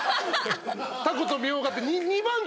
タコとみょうがって。